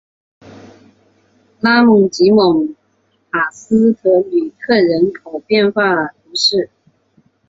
拉蒙济蒙塔斯特吕克人口变化图示